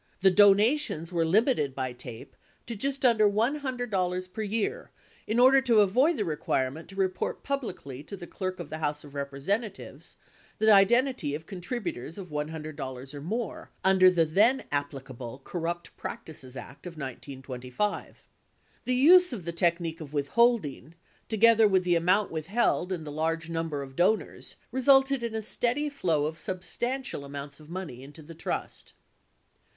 The donations were limited by TAPE to just under $100 per year in order to avoid the requirement to report publicly to the Clerk of the House of Representatives the identity of contributors of $100 or more under the then applicable Corrupt Practices Act of 1925. 11 The use of the technique of withholding, together with the amount withheld and the large number of donors, resulted in a steady flow of substantial amounts of money into the trust.